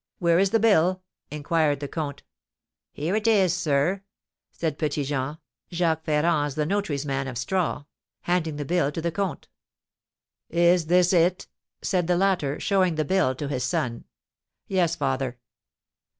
"Where is the bill?" inquired the comte. "Here it is, sir," said Petit Jean (Jacques Ferrand the notary's man of straw), handing the bill to the comte. "Is this it?" said the latter, showing the bill to his son. "Yes, father."